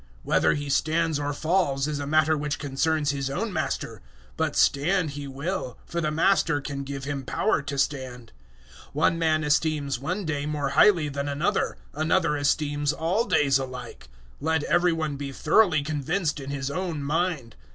Whether he stands or falls is a matter which concerns his own master. But stand he will; for the Master can give him power to stand. 014:005 One man esteems one day more highly than another; another esteems all days alike. Let every one be thoroughly convinced in his own mind.